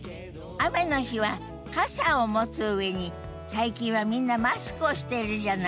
雨の日は傘を持つ上に最近はみんなマスクをしてるじゃない？